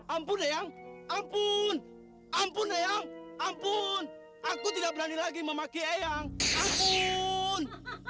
ampun eyang ampun ampun eyang ampun aku tidak berani lagi memakai eyang ampun